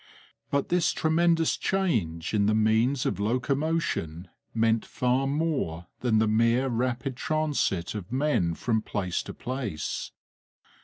But this tremendous change in the means of locomotion meant far more than the mere rapid transit of men from place to place.